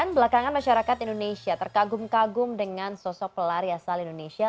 belakangan masyarakat indonesia terkagum kagum dengan sosok pelari asal indonesia